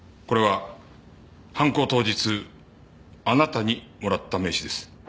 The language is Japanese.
これは犯行当日あなたにもらった名刺です。